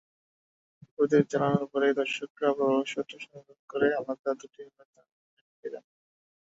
প্রদীপ জ্বালানোর পরে দর্শকেরা প্রবেশপত্র সংগ্রহ করে আলাদা দুটি মিলনায়তনে ঢুকে যান।